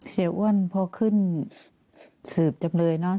เสียอ้วนพอขึ้นสืบจำเลยเนอะ